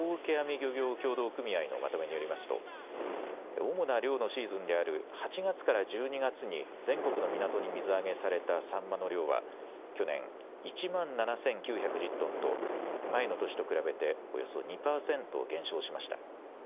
漁業協同組合のまとめによりますと主な漁のシーズンである８月から１２月に全国の港に水揚げされたサンマの量は去年１万７９１０トンと前の年と比べておよそ２％減少しました。